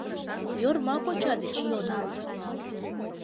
— Йорма коча деч йодо.